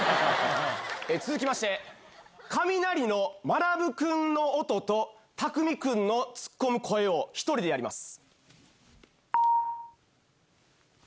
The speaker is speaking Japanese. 続きまして、カミナリのまなぶ君の音と、たくみくんの突っ込む声を１人でやります。